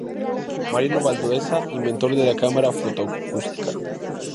Mariano Valdueza inventor de la Cámara Foto-Acústica.